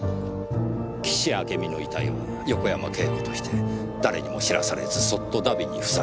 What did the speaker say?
岸あけみの遺体を横山慶子として誰にも知らされずそっと荼毘に付された。